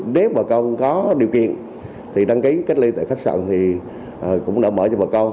nếu bà con có điều kiện thì đăng ký cách ly tại khách sạn thì cũng đã mở cho bà con